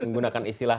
menggunakan istilah satu